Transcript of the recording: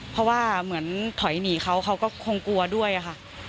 เพราะว่าเหมือนถอยหนีเขาเขาก็คงกลัวด้วยค่ะ